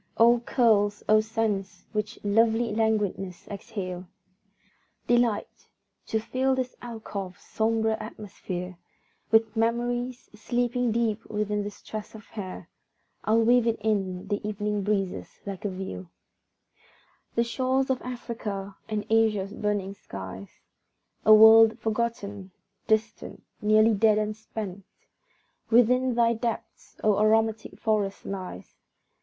O curls, O scents which lovely languidness exhale! Delight! to fill this alcove's sombre atmosphere With memories, sleeping deep within this tress of hair, I'll wave it in the evening breezes like a veil! The shores of Africa, and Asia's burning skies, A world forgotten, distant, nearly dead and spent, Within thy depths, O aromatic forest! lies.